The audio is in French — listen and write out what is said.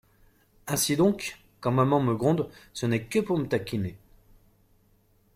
Ainsi donc, quand maman me gronde Ce n’est que pour me taquiner !